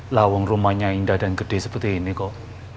lawang rumahnya indah dan gede seperti ini kok